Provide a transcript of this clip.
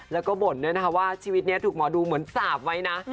แล้วก็บ่นด้วยนะคะว่าชีวิตนี้ถูกหมอดูเหมือนสาบไว้นะ